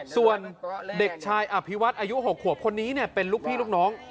ส่วนเด็กชายอภิวัฒน์อายุ๖ขวบคนนี้เป็นลูกพี่ลูกน้อง